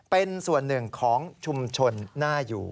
เป็นส่วนหนึ่งของชุมชนน่าอยู่